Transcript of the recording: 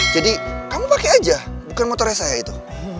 jadi kamu pakai aja bukan motornya saya itu